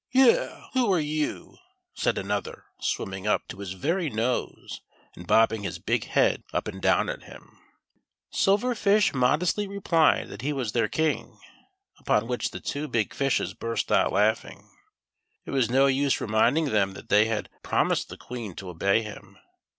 •' Yes, who are you .^" said another, swimming up to his very nose, and bobbing his big head up and down at him. THE SILVER FISH. 35 Silver Fish modestly replied that he was their Kin^, upon whieh the two big fishes burst out laui^h ing. It was no use reminding them that thc>' had promised the Queen to obey him.